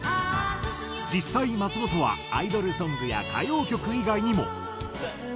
実際松本はアイドルソングや歌謡曲以外にも。